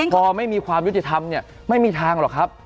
พอไม่มีความยุติธรรมเนี่ยไม่มีทางหรอกครับ